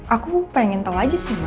aku pengen tahu aja sih